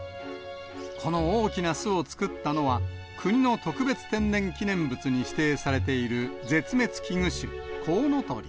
この大きな巣を作ったのは、国の特別天然記念物に指定されている絶滅危惧種、コウノトリ。